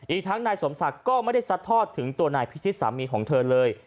อีกทั้งนายสมศักดิ์ก็ไม่ได้ซัดทอดถึงตัวนายพิชิตสามีของเธอเลย